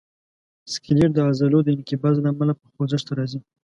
سکلیټ د عضلو د انقباض له امله په خوځښت راځي.